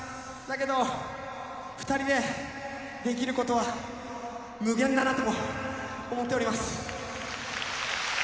だけど２人でできる事は無限だなとも思っております。